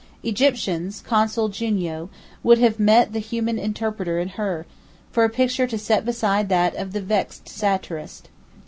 Egyptians, consule Junio, would have met the human interpreter in her, for a picture to set beside that of the vexed Satirist.